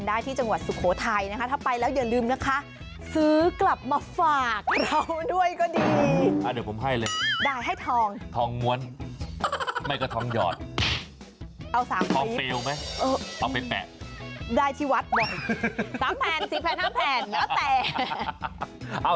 ได้ที่วัดสิบแผนสามแผนเอาแต่